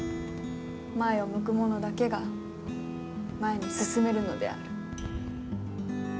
前を向く者だけが前に進めるのである。